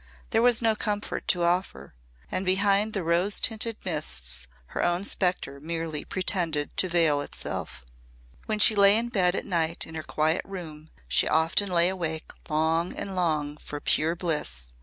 There was no comfort to offer. And behind the rose tinted mists her own spectre merely pretended to veil itself. When she lay in bed at night in her quiet room she often lay awake long and long for pure bliss.